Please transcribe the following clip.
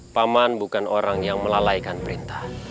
paman bukan orang yang melalaikan perintah